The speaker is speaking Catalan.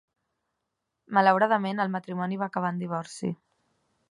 Malauradament, el matrimoni va acabar en divorci.